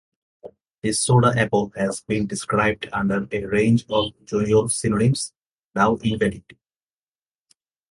The soda apple has been described under a range of junior synonyms, now invalid.